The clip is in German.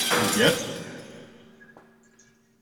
Und jetzt?